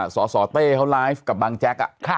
สอสอเต้เค้าไลฟ์กับบังแจ๊กอะ